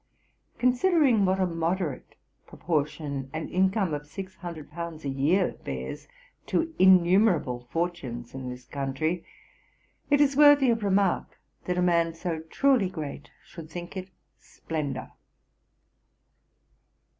Considering what a moderate proportion an income of six hundred pounds a year bears to innumerable fortunes in this country, it is worthy of remark, that a man so truly great should think it splendour.